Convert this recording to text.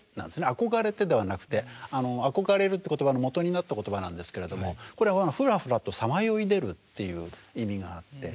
「憧れて」ではなくて憧れるっていう言葉のもとになった言葉なんですけれどもこれはふらふらとさまよい出るっていう意味があって。